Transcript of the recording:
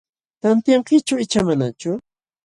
¿Tantiyankichum icha manachu?